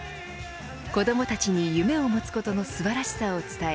子どもたちに夢を持つことの素晴らしさを伝え